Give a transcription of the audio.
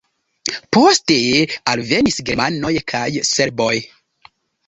Poste alvenis germanoj kaj serboj.